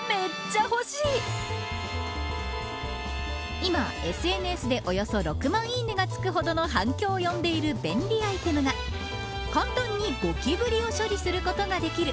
今ＳＮＳでおよそ６万いいねがつくほどの反響を呼んでいる便利アイテムが簡単にゴキブリを処理することができる